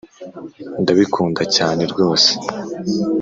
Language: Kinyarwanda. ndabikunda cyane rwose